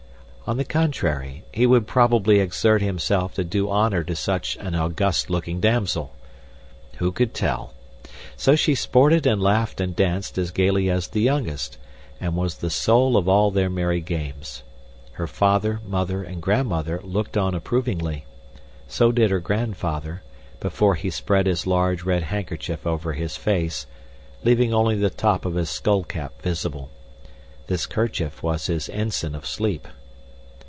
On the contrary, he would probably exert himself to do honor to such an august looking damsel. Who could tell? So she sported and laughed and danced as gaily as the youngest and was the soul of all their merry games. Her father, mother, and grandmother looked on approvingly; so did her grandfather, before he spread his large red handkerchief over his face, leaving only the top of his skullcap visible. This kerchief was his ensign of sleep.